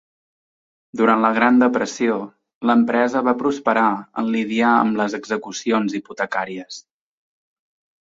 Durant la Gran Depressió, l'empresa va prosperar en lidiar amb les execucions hipotecàries.